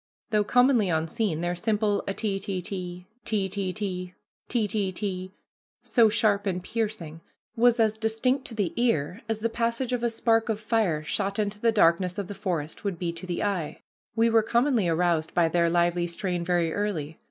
Though commonly unseen, their simple ah, te te te, te te te, te te te, so sharp and piercing, was as distinct to the ear as the passage of a spark of fire shot into the darkest of the forest would be to the eye. We were commonly aroused by their lively strain very early.